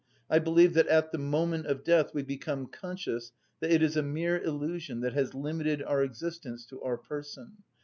I believe that at the moment of death we become conscious that it is a mere illusion that has limited our existence to our person.